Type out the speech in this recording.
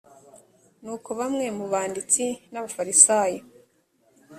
nuko bamwe mu banditsi n abafarisayo